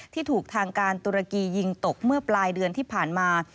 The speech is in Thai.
ถูกทางการตุรกียิงตกเมื่อปลายเดือนที่ผ่านมา